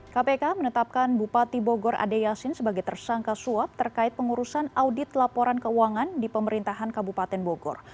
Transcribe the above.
kpk menetapkan bupati bogor ade yasin sebagai tersangka suap terkait pengurusan audit laporan keuangan di pemerintahan kabupaten bogor